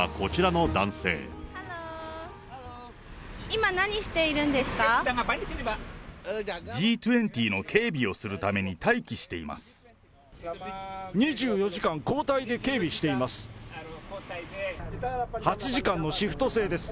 Ｇ２０の警備をするために待機しています。